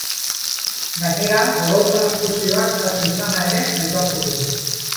Gainera, odol-transfusioak jaso izana ere aitortu du.